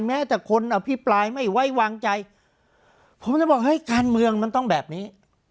แม้แต่คนอภิปรายไม่ไว้วางใจผมจะบอกเฮ้ยการเมืองมันต้องแบบนี้